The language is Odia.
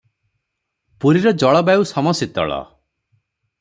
ପୁରୀର ଜଳବାୟୁ ସମଶୀତଳ ।